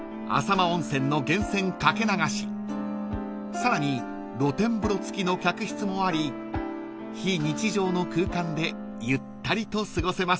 ［さらに露天風呂付きの客室もあり非日常の空間でゆったりと過ごせます］